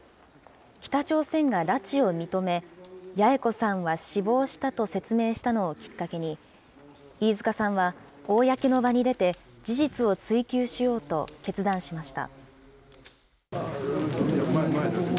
北朝鮮が拉致を認め、八重子さんは死亡したと説明したのをきっかけに、飯塚さんは、公の場に出て、事実を追及しようと決断しました。